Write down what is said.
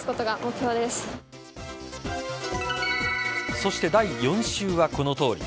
そして第４週は、このとおり。